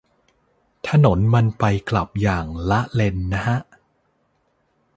ถนนมันไปกลับอย่างละเลนนะฮะ